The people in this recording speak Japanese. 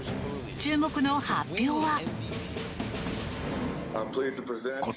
注目の発表は。